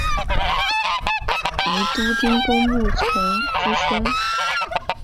宜都丁公穆崇之孙。